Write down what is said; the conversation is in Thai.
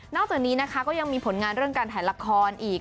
จากนี้นะคะก็ยังมีผลงานเรื่องการถ่ายละครอีก